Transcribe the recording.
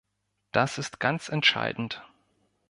Das ist ganz entscheidend.